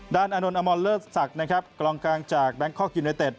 ด้านอนนอมอลเลอร์สักนะครับกล่องกลางจากแบงค์คอร์กยูเนยเต็ด